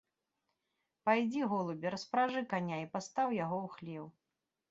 Пайдзі, голубе, распражы каня і пастаў яго ў хлеў.